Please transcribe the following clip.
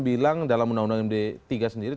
bilang dalam undang undang md tiga sendiri